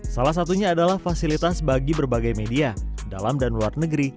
salah satunya adalah fasilitas bagi berbagai media dalam dan luar negeri